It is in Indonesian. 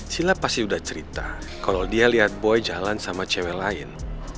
sila pasti udah cerita kalau dia lihat boy jalan sama cewek lain